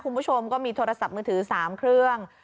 คุณผู้ชมก็มีโทรศัพท์มือถือ๓เครื่อง